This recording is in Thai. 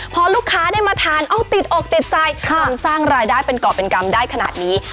พอลูกค้าได้มาทานเอาติดอกติดใจจนสร้างรายได้เป็นเกาะเป็นกรรมได้ขนาดนี้